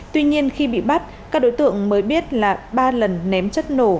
tuy nhiên khi bị bắt các đối tượng mới biết là ba lần ném chất nổ